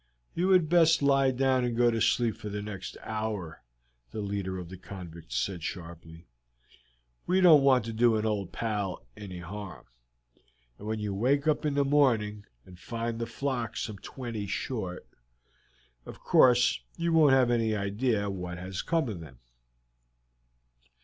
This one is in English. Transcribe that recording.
"You had best lie down and go to sleep for the next hour," the leader of the convicts said sharply. "We don't want to do an old pal any harm, and when you wake up in the morning and find the flock some twenty short, of course you won't have any idea what has come of them."